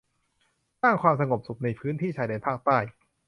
สร้างความสงบสุข ในพื้นที่ชายแดนภาคใต้